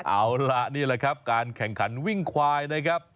เอาล่ะนี่แหละครับการแข่งขันวิ่งควายนะครับ